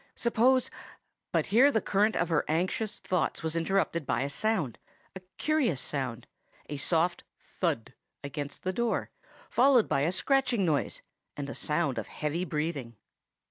Suppose—But here the current of her anxious thoughts was interrupted by a sound; a curious sound,—a soft thud against the door, followed by a scratching noise, and a sound of heavy breathing.